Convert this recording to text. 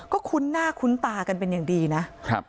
ก็คุ้นหน้าคุ้นตากันเป็นอย่างดีนะครับ